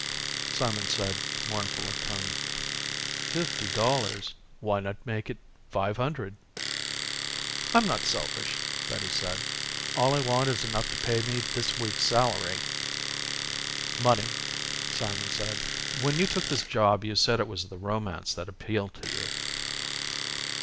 Simon said, mournful of tone, "Fifty dollars? Why not make it five hundred?" "I'm not selfish," Betty said. "All I want is enough to pay me this week's salary." "Money," Simon said. "When you took this job you said it was the romance that appealed to you."